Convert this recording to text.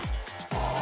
ああ。